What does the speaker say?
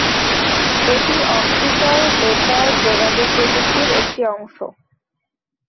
এটি অপটিক্যাল বেতার যোগাযোগ প্রযুক্তির একটি অংশ।